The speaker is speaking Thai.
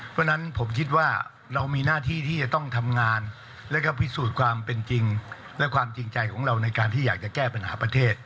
เพราะฉะนั้นผมคิดว่าเรามีหน้าที่ที่จะต้องทำงานแล้วก็พิสูจน์ความเป็นจริงและความจริงใจของเราในการที่อยากจะแก้ปัญหาประเทศ